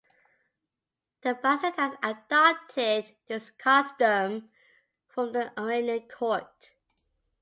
The Byzantines adopted this custom from the Iranian court.